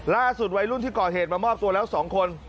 วัยรุ่นที่ก่อเหตุมามอบตัวแล้ว๒คน